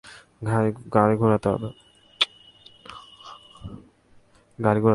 গাড়ি ঘুরাতে হবে।